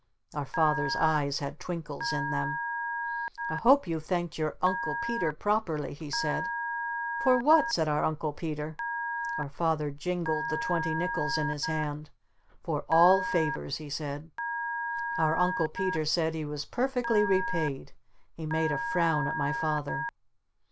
Our Father's eyes had twinkles in them. "I hope you've thanked your Uncle Peter properly!" he said. "For what?" said our Uncle Peter. Our Father jingled the twenty nickles in his hand. "For all favors," he said. Our Uncle Peter said he was perfectly repaid. He made a frown at my Father.